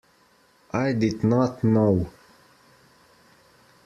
I did not know.